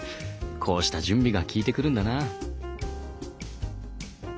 こうした準備が効いてくるんだな。